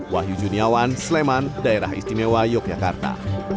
wahyu juniawan sleman daerah istimewa yogyakarta